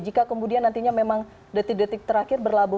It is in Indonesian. jika kemudian nantinya memang detik detik terakhir berlabuh